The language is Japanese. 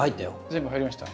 全部入りました？